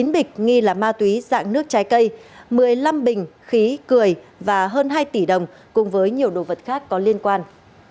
một mươi bịch nghi là ma túy dạng nước trái cây một mươi năm bình khí cười và hơn hai tỷ đồng cùng với nhiều đồ vật khác có liên quan